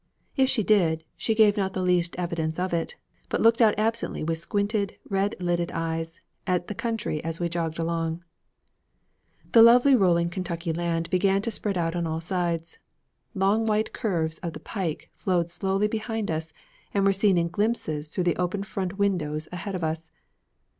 If she did, she gave not the least evidence of it, but looked out absently with squinted red lidded eyes at the country as we jogged along. The lovely rolling Kentucky land began to spread out on all sides. Long white curves of the pike flowed slowly behind us and were seen in glimpses through the open front windows ahead of us.